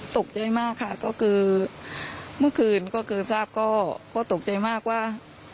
ตกใจมากค่ะก็คือเมื่อคืนก็คือทราบก็ตกใจมากว่า